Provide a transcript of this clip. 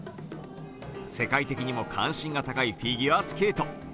世界的にも関心が高いフィギュアスケート。